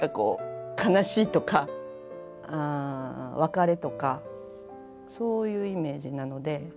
悲しいとか別れとかそういうイメージなので。